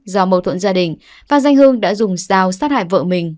do mâu thuẫn gia đình phạm danh hưng đã dùng dao sát hại vợ mình